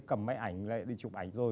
cầm máy ảnh lại đi chụp ảnh rồi